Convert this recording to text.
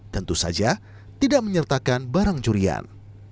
tentu saja tidak menyertakan barang curian